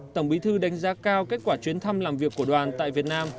tổng bí thư đánh giá cao kết quả chuyến thăm làm việc của đoàn tại việt nam